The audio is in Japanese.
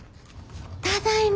ただいま。